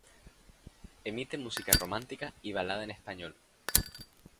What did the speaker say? Emite música romántica y balada en español.